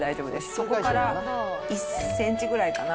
そこから１センチぐらいかな。